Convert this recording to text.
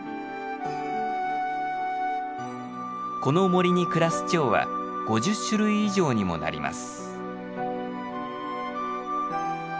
この森に暮らすチョウは５０種類以上にもなります。